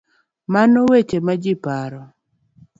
Mana weche ma ji paro.